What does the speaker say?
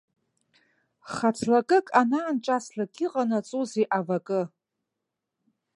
Хацлакык анаанҿаслак иҟанаҵозеи авакы?